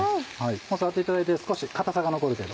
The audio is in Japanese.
触っていただいて少し硬さが残る程度。